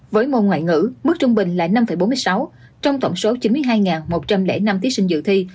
với môn ngoại ngữ mức trung bình là năm bốn mươi sáu trong tổng số chín mươi hai một trăm linh năm thí sinh dự thi